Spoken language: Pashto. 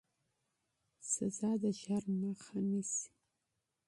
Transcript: سزا د شر مخه نیسي